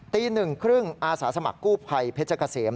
ตี๑๓๐อาสาสมัครกู้ภัยเพชรเกษม